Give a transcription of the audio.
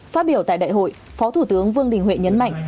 phát biểu tại đại hội phó thủ tướng vương đình huệ nhấn mạnh